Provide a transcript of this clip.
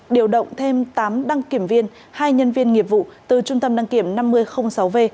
điều động thêm tám đăng kiểm viên hai nhân viên nghiệp vụ từ trung tâm đăng kiểm năm mươi sáu v